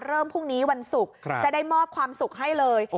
พรุ่งนี้วันศุกร์จะได้มอบความสุขให้เลย